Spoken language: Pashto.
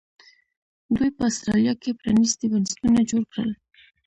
دوی په اسټرالیا کې پرانیستي بنسټونه جوړ کړل.